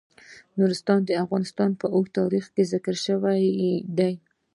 نورستان د افغانستان په اوږده تاریخ کې ذکر شوی دی.